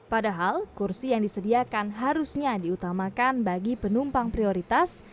padahal kursi yang disediakan harusnya diutamakan bagi penumpang prioritas